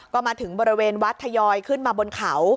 ก็มาถึงบริเวณวัดทยอยขึ้นมาบนเขา